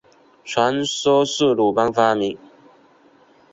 传说是鲁班发明。